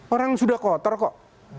orang sudah kotor kok